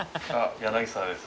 柳澤です。